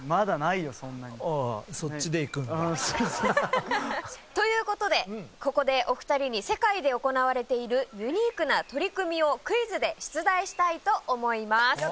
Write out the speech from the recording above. えっ。ということでここでお二人に世界で行われているユニークな取り組みをクイズで出題したいと思います。